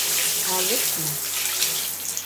Алыҫмы?